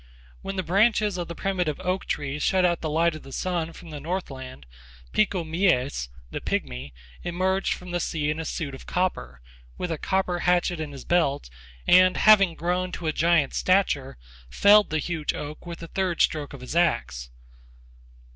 When the branches of the primitive oak trees shut out the light of the sun from the Northland, Pikku Mies (the Pygmy) emerged from the sea in a suit of copper, with a copper hatchet in his belt, and having grown to a giant's stature felled the huge oak with the third stroke of his axe.